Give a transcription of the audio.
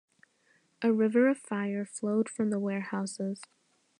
A "river of fire" flowed from the warehouses.